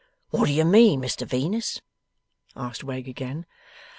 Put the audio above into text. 'What do you mean, Mr Venus?' asked Wegg again.